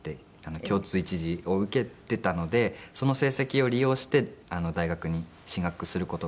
共通一次を受けていたのでその成績を利用して大学に進学する事ができて。